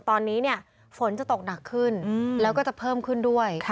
ตอนนี้ฝนจะตกหนักขึ้นแล้วก็จะเพิ่มขึ้นด้วย